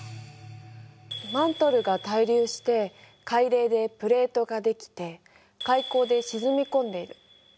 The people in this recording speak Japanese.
マントルが対流して海嶺でプレートが出来て海溝で沈み込んでいる。